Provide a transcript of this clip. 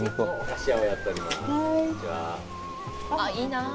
あっいいな。